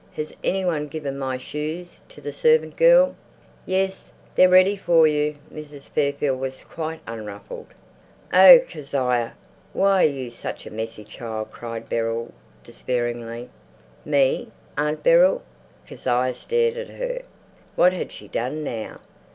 Has anyone given my shoes to the servant girl?" "Yes, they're ready for you." Mrs. Fairfield was quite unruffled. "Oh, Kezia! Why are you such a messy child!" cried Beryl despairingly. "Me, Aunt Beryl?" Kezia stared at her. What had she done now?